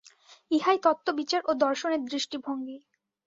ইহাই তত্ত্ববিচার ও দর্শনের দৃষ্টিভঙ্গী।